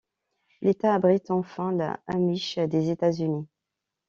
L'État abrite enfin la amish des États-Unis.